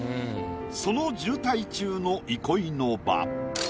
その渋滞中の憩いの場。